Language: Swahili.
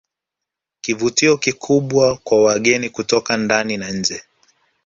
Kivutio kikubwa kwa wageni kutoka ndani na nje